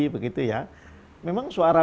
begitu ya memang suara